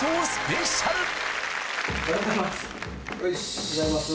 おはようございます。